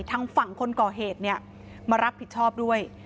ทางฝั่งคนก่อเหตุมารับผิดชอบด้วย